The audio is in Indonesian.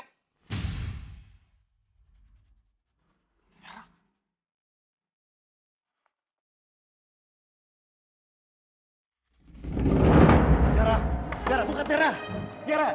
tiara tiara buka tiara tiara